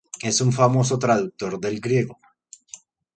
Es un famoso traductor del griego.